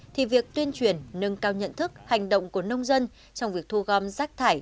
thì việc tuyên truyền nâng cao nhận thức hành động của nông dân trong việc thu gom rác thải